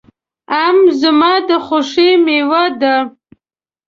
آم زما د خوښې مېوه ده.